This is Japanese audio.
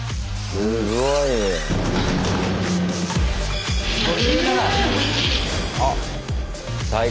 すごいね。